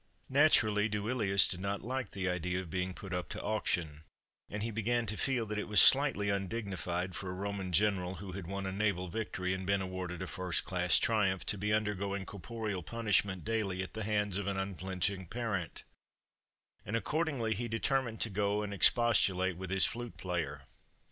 Naturally, Duilius did not like the idea of being put up to auction, and he began to feel that it was slightly undignified for a Roman general who had won a naval victory and been awarded a first class Triumph to be undergoing corporeal punishment daily at the hands of an unflinching parent, and accordingly he determined to go and expostulate with his flute player.